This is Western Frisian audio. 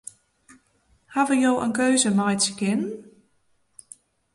Hawwe jo in keuze meitsje kinnen?